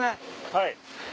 はい。